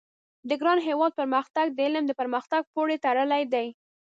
د ګران هېواد پرمختګ د علم د پرمختګ پوري تړلی دی